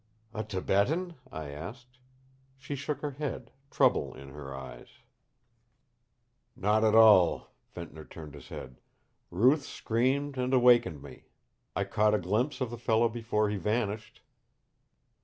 "A Tibetan?" I asked. She shook her head, trouble in her eyes. "Not at all." Ventnor turned his head. "Ruth screamed and awakened me. I caught a glimpse of the fellow before he vanished.